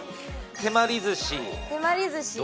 手まり寿司。